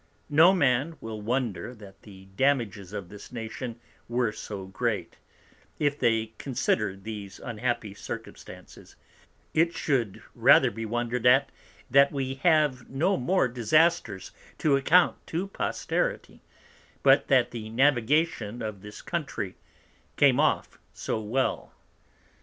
No Man will wonder that the Damages to this Nation were so great, if they consider these unhappy Circumstances: it shou'd rather be wonder'd at, that we have no more Disasters to account to Posterity, but that the Navigation of this Country came off so well.